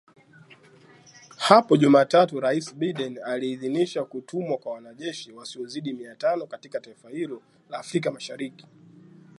Hapo Jumatatu Raisi Biden aliidhinisha kutumwa kwa wanajeshi wasiozidi mia tano katika taifa hilo la Afrika mashariki